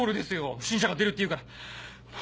不審者が出るっていうから。